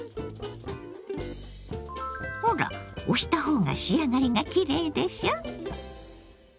ほら押した方が仕上がりがきれいでしょ！